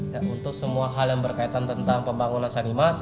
dan untuk semua hal yang berkaitan tentang pembangunan sanimas